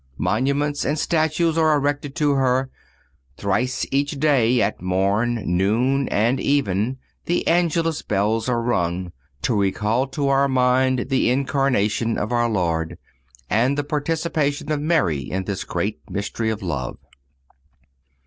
Monuments and statues are erected to her. Thrice each day—at morn, noon and even—the Angelus bells are rung, to recall to our mind the Incarnation of our Lord, and the participation of Mary in this great mystery of love.